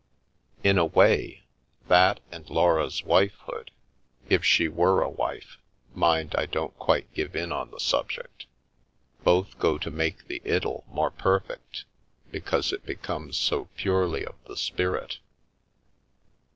In a way, that and Laura's wife hood (if she were a wife; mind, I don't quite give in on the subject) both go to make the idyll more perfect, be cause it becomes so purely of the spirit.